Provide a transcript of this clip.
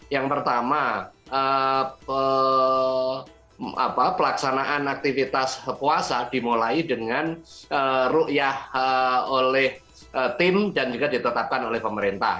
yang pertama pelaksanaan aktivitas puasa dimulai dengan ⁇ ruyah ⁇ oleh tim dan juga ditetapkan oleh pemerintah